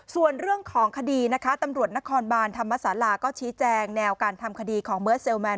ส่วนเรื่องของคดีนะคะตำรวจนครบานธรรมศาลาก็ชี้แจงแนวการทำคดีของเบิร์ดเซลแมน